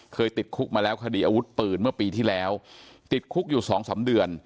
ติดคุกมาแล้วคดีอาวุธปืนเมื่อปีที่แล้วติดคุกอยู่สองสามเดือน